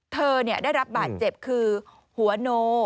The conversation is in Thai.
เธอได้รับบาดเจ็บคือหัวโน